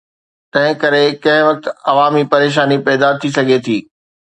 تنهنڪري ڪنهن وقت عوامي پريشاني پيدا ٿي سگهي ٿي.